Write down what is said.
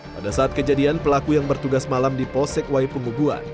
pada saat kejadian pelaku yang bertugas malam di posek wai pengubuan